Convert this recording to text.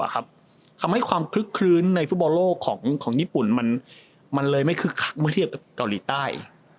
ทำให้ความคลึกคลื้นในฟุตบอลโลกของญี่ปุ่นมันเลยไม่คึกคักเมื่อเทียบกับเกาหลีใต้